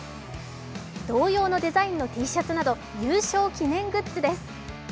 同様のデザインのＴシャツなど優勝記念グッズです。